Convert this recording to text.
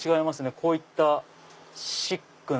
こういったシックな。